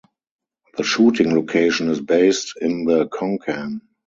The shooting location is based in the Konkan.